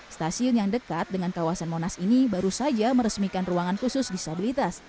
stasiun yang dekat dengan kawasan monas ini baru saja meresmikan ruangan khusus disabilitas